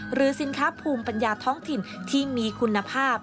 หรือสินค้าภูมิปัญญาท้องถิ่นที่มีคุณภาพ